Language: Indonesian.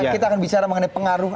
kita akan bicara mengenai pengaruh